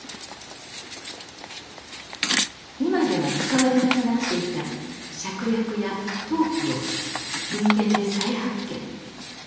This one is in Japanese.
今では使われなくなっていた芍薬や当帰を文献で再発見。